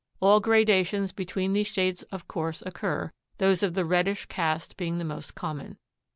All gradations between these shades of course occur, those of the reddish cast being the most common.